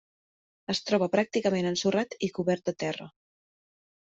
Es troba pràcticament ensorrat i cobert de terra.